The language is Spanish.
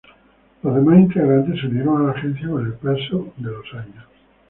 Los demás integrantes se unieron a la agencia con el paso de los años.